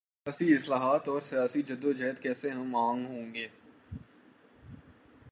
سماجی اصلاحات اور سیاسی جد و جہد کیسے ہم آہنگ ہوںگے؟